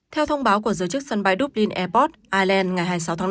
theo thông báo của giới chức sân bay dublin airbot ireland ngày hai mươi sáu tháng năm